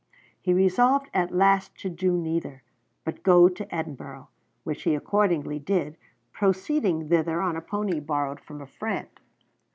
He resolved at last to do neither, but to go to Edinburgh, which he accordingly did, proceeding thither on a pony borrowed from a friend.